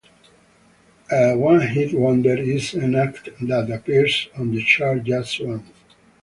A "one-hit wonder" is an act that appears on the chart just once.